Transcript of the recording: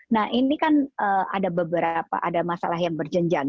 nah ini kan ada beberapa masalah yang berjenjakan